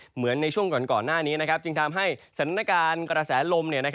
เหมือนในช่วงก่อนหน้านี้จึงทำให้สถานการณ์กระแสลม